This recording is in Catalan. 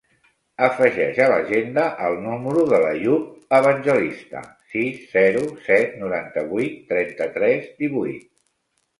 Afegeix a l'agenda el número de l'Àyoub Evangelista: sis, zero, set, noranta-vuit, trenta-tres, divuit.